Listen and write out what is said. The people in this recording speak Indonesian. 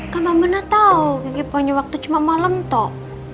kan mbak mena tau geki punya waktu cuma malem toh